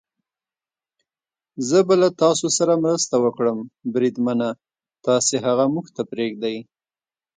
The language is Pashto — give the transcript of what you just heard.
زه به له تاسو سره مرسته وکړم، بریدمنه، تاسې هغه موږ ته پرېږدئ.